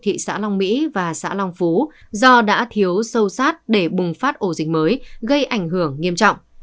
thị xã long mỹ và xã long phú do đã thiếu sâu sát để bùng phát ổ dịch mới gây ảnh hưởng nghiêm trọng